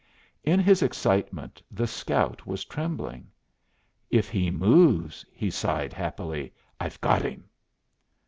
In his excitement the scout was trembling. "If he moves," he sighed happily, "I've got him!"